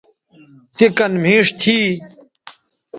تے کن مھیݜ تھی